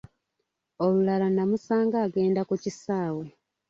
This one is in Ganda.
Olulala nnamusanga agenda ku kisaawe.